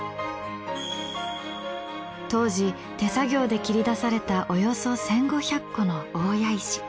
当時手作業で切り出されたおよそ１，５００個の大谷石。